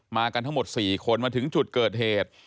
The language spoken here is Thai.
กันทั้งหมด๔คนมาถึงจุดเกิดเหตุ